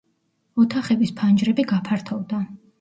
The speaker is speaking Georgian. ოთახების ფანჯრები გაფართოვდა.